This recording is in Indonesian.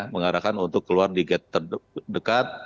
mengarahkan untuk keluar di gate terdekat